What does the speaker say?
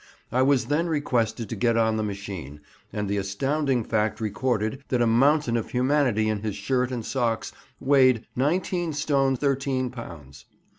I was then requested to get on the machine, and the astounding fact recorded that a mountain of humanity in his shirt and socks weighed 19 stone 13 lbs.